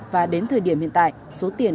và đến thời điểm hiện tại số tiền